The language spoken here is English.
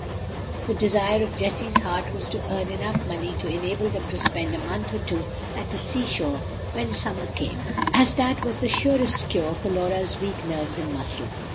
The desire of Jessie's heart was to earn eneugh money to enable them to spend a month or two at the seashore when summer came, as that was the surest cure for Laura's weak nerves and muscles.